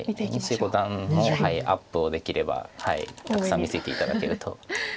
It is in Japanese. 西五段のアップをできればたくさん見せて頂けると。